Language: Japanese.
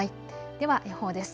では予報です。